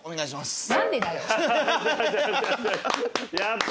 やった。